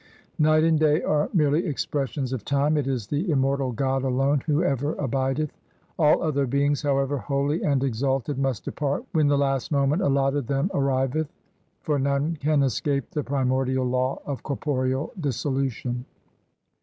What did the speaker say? Night and day are merely expressions of time. It is the immortal God alone who ever abideth. All other beings, however holy and exalted, must depart when the last moment allotted them arriveth, for none can escape the primordial law of corporeal dissolution.